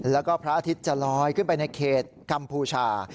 แล้วก็พระอาทิตย์จะลอยขึ้นไปในเขตกัมพูชา